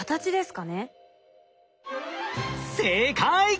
正解！